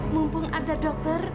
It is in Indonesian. mumpung ada dokter